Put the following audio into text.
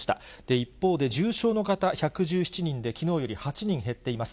一方で重症の方１１７人で、きのうより８人減っています。